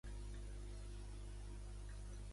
El poema "Stress" de Wendy Cope és un sonet